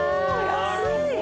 安い！